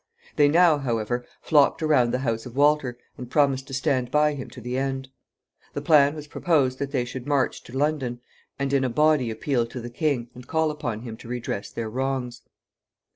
They now, however, flocked around the house of Walter, and promised to stand by him to the end. The plan was proposed that they should march to London, and in a body appeal to the king, and call upon him to redress their wrongs.